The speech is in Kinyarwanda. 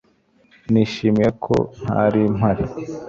nishimiye ko ntari mpari